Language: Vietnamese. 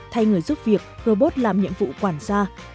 thay người giúp việc robot làm nhiệm vụ quản gia